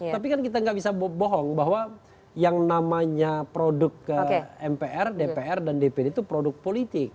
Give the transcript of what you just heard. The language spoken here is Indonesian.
tapi kan kita nggak bisa bohong bahwa yang namanya produk mpr dpr dan dpd itu produk politik